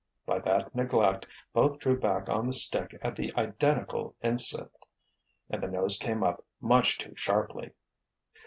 By that neglect, both drew back on the stick at the identical instant, and the nose came up much too sharply.